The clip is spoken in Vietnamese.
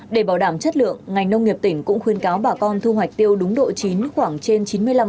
để bảo đảm chất lượng ngành nông nghiệp tỉnh cũng khuyên cáo bà con thu hoạch tiêu đúng độ chín khoảng trên chín mươi năm